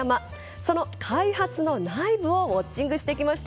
その開発の内部をウオッチングしてきました。